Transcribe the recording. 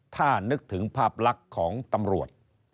ถ้านึกถึงภาพลักษณ์ของตำรวจ